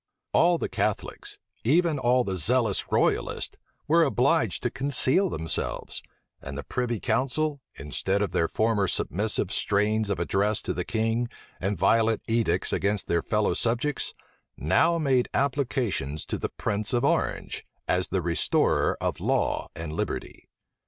All the Catholics, even all the zealous royalists, were obliged to conceal themselves; and the privy council, instead of their former submissive strains of address to the king, and violent edicts against their fellow subjects, now made applications to the prince of Orange, as the restorer of law and liberty.